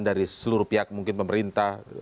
dari seluruh pihak mungkin pemerintah